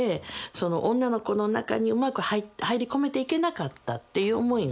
女の子の中にうまく入り込めていけなかったっていう思いがあって。